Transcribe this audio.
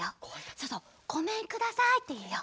そうそう「ごめんください」っていうよ。